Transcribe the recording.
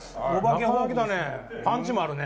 パンチもあるね。